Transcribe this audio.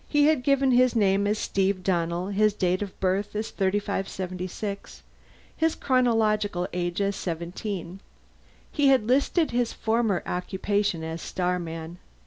He had given his name as Steve Donnell, his date of birth as 3576, his chronological age as seventeen. He had listed his former occupation as Starman.